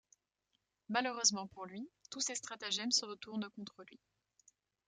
Malheureusement pour lui, tous ses stratagèmes se retournent contre lui.